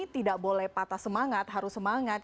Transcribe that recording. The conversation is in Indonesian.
tidak boleh patah semangat harus semangat